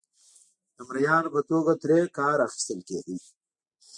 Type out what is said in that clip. د مریانو په توګه ترې کار اخیستل کېده.